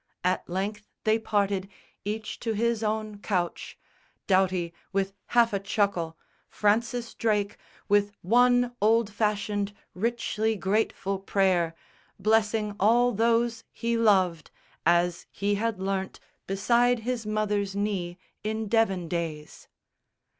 At length they parted, each to his own couch, Doughty with half a chuckle, Francis Drake With one old fashioned richly grateful prayer Blessing all those he loved, as he had learnt Beside his mother's knee in Devon days.